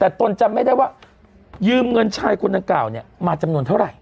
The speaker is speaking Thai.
แต่ตนจำไม่ได้ว่ายืมเงินชายคนดังกล่าวเนี่ยมาจำนวนเท่าไหร่